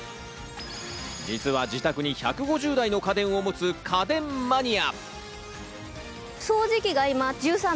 実は自宅に１５０台の家電を持つ家電マニア。